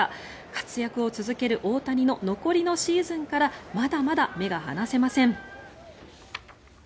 活躍を続ける大谷の残りのシーズンからまだまだ目が離せません。